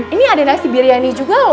ini ada nasi biryani juga loh